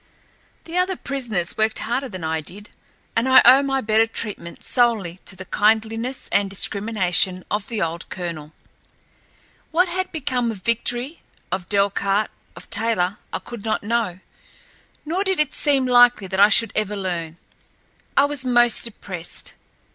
The other prisoners worked harder than I did, and I owe my better treatment solely to the kindliness and discrimination of the old colonel. What had become of Victory, of Delcarte, of Taylor I could not know; nor did it seem likely that I should ever learn. I was most depressed.